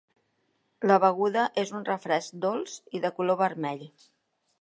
La beguda és un refresc dolç i de color vermell.